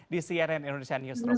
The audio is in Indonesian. di cnn indonesia newsroom